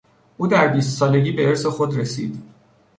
او در بیست سالگی به ارث خود رسید.